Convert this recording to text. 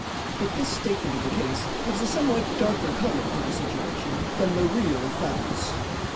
But this statement of the case gives a somewhat darker color to the situation than the real facts.